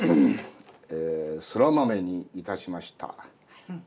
そら豆にいたしました。